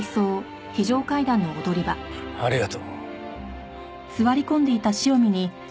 ありがとう。